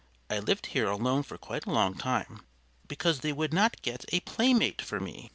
I lived here alone for quite a long time, because they would not get a playmate for me.